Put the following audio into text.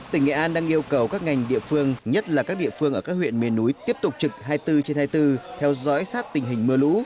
tỉnh nghệ an đang yêu cầu các ngành địa phương nhất là các địa phương ở các huyện miền núi tiếp tục trực hai mươi bốn trên hai mươi bốn theo dõi sát tình hình mưa lũ